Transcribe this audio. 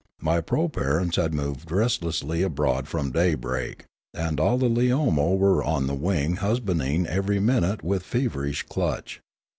My proparents had moved restlessly abroad from daybreak, and all the Leomo were on the wing husbanding every minute with feverish clutch.